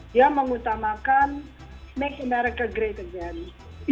dia mengutamakan make america great against